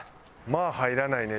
まあ入らないね